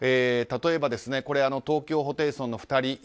例えば、東京ホテイソンの２人。